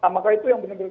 maka itu yang benar benar